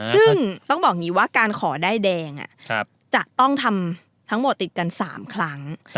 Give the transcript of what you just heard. ซึ่งต้องบอกอย่างนี้ว่าการขอได้แดงจะต้องทำทั้งหมดติดกัน๓ครั้ง